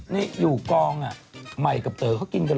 นี่อยู่กองอ่ะใหม่กับเต๋อเขากินกันเห